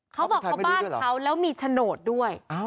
เขาบอกเขาบ้านเขาแล้วมีโฉนดด้วย